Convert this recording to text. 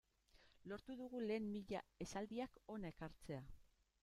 Lortu dugu lehen mila esaldiak hona ekartzea.